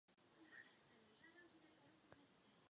Růst, rozvoj a sociální ohledy musí jít ruku v ruce.